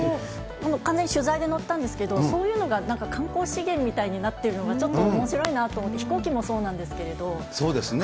完全に取材で乗ったんですけど、そういうのが観光資源みたいになってるのが、ちょっとおもしろいなと思って、飛行機もそうなんでそうですね。